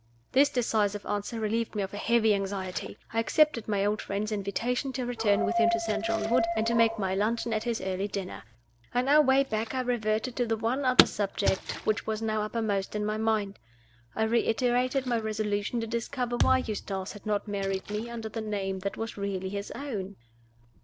This decisive answer relieved me of a heavy anxiety. I accepted my old friend's invitation to return with him to St. John's Wood, and to make my luncheon at his early dinner. On our way back I reverted to the one other subject which was now uppermost in my mind. I reiterated my resolution to discover why Eustace had not married me under the name that was really his own.